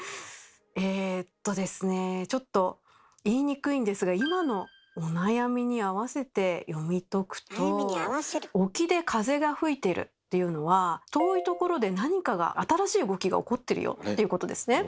えっとですねちょっと言いにくいんですが今のお悩みに合わせて読み解くと「沖で風が吹いている」っていうのは「遠いところでなにかが新しい動きが起こってるよ」っていうことですね。